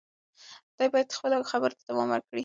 دی باید خپلو خبرو ته دوام ورکړي.